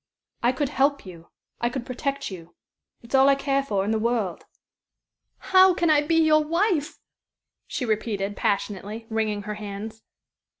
I could help you. I could protect you. It's all I care for in the world." "How can I be your wife?" she repeated, passionately, wringing her hands.